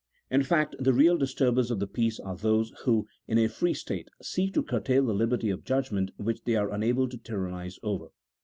In fact, the real disturbers of the peace are those who, in a free state, seek to curtail the liberty of judgment which they are unable to tyrannize over.